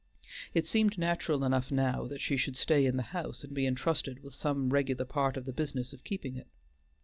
It seemed natural enough now that she should stay in the house, and be entrusted with some regular part of the business of keeping it.